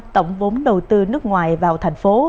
tổng vốn đầu tư nước ngoài vào thành phố